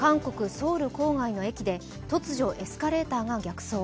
ソウル郊外の駅で、突如、エスカレーターが逆走。